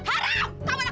kamu anak haram